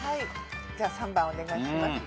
じゃあ３番お願いします。